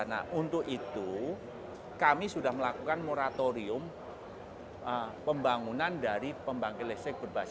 nah untuk itu kami sudah melakukan moratorium pembangunan dari pembangkit listrik berbasis